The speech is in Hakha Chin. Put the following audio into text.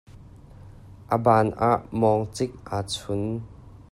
A ban ah mawngcik aa chun.